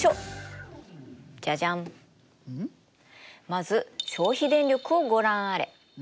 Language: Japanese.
まず消費電力をご覧あれ。